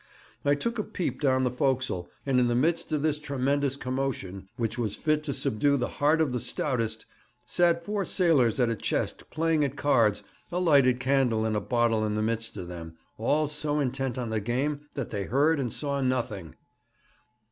I took a peep down the forecastle, and in the midst of this tremendous commotion, which was fit to subdue the heart of the stoutest, sat four sailors at a chest, playing at cards, a lighted candle in a bottle in the midst of them, all so intent on the game that they heard and saw nothing.'